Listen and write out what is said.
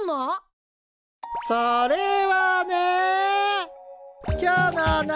それはね。